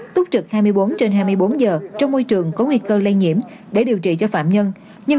túc trực hai mươi bốn trên hai mươi bốn giờ trong môi trường có nguy cơ lây nhiễm để điều trị cho phạm nhân